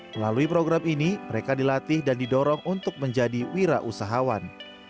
melalui program ini mereka dilatih dan didorong untuk menjadi wira usahawan